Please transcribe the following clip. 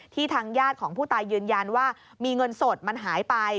ทางญาติของผู้ตายยืนยันว่ามีเงินสดมันหายไป